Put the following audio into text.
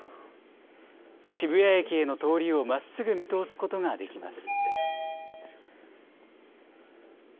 渋谷駅への通りをまっすぐ見通すことができます。